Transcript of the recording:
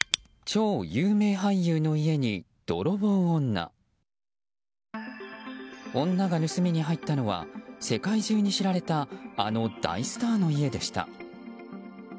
女が盗みに入ったのは世界中に知られたあの大スターの家でした。